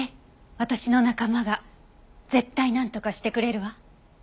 私の仲間が絶対なんとかしてくれるわ。